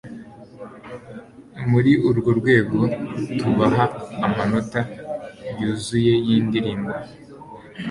muri urworwego tubaha amanota yuzuye y'indirimbo